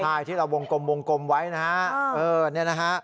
ใช่ที่เราวงกลมไว้นะฮะ